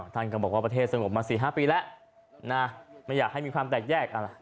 ท่านก็บอกว่าประเทศรัมน์มันสงบมา๔๕ปีแล้วไม่อยากให้มีความแตกแยก